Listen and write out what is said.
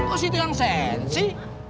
oh itu yang sensi